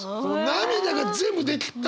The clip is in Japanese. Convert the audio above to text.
涙が全部出きった